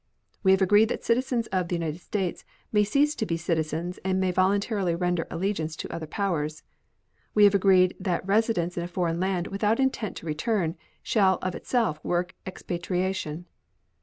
We have agreed that citizens of the United States may cease to be citizens and may voluntarily render allegiance to other powers. We have agreed that residence in a foreign land without intent to return, shall of itself work expatriation.